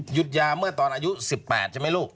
ยาเมื่อตอนอายุ๑๘ใช่ไหมลูก